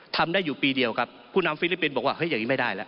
ทำได้อยู่ปีเดียวครับผู้นำฟิลิปปินส์บอกว่าเฮ้ยอย่างนี้ไม่ได้แล้ว